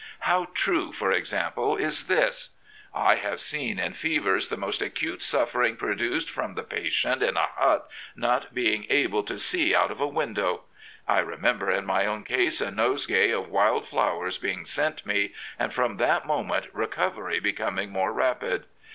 How true, for example, is this: I have seen in fevers the most acute suffering produced from the patient in a hut not being able to see out of a window. ... I remember in my own case a nosegay of wild flowers being sent me. and from that moment recovery becoming more rapid.